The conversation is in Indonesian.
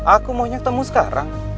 aku maunya ketemu sekarang